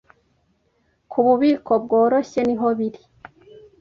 Kububiko bworoshye niho biri